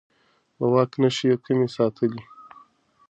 د واک نښې يې کمې ساتلې.